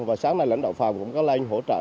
và sáng nay lãnh đạo phà cũng có lên hỗ trợ